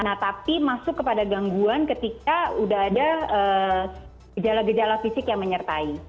nah tapi masuk kepada gangguan ketika udah ada gejala gejala fisik yang menyertai